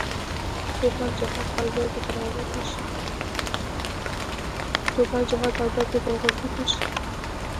ټوپک جهاز او ډز دې تر غوږو تېر شي.